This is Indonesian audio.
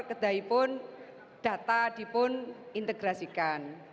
kedai pun data dipun integrasikan